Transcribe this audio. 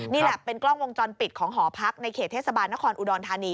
นี่แหละเป็นกล้องวงจรปิดของหอพักในเขตเทศบาลนครอุดรธานี